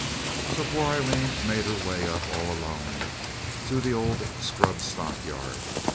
So poor Aileen made her way up all alone to the old scrub stockyard.